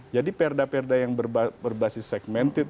jadi perda perda yang berbasis segmented